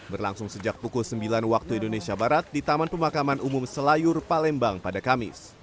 berlangsung sejak pukul sembilan waktu indonesia barat di taman pemakaman umum selayur palembang pada kamis